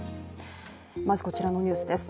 まずこちらのニュースです。